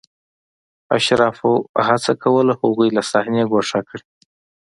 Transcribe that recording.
اشرافو هڅه کوله هغوی له صحنې ګوښه کړي.